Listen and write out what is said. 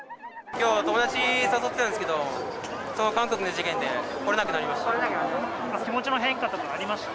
きょうは友達誘ったんですけど、韓国の事件で来れなくなりました。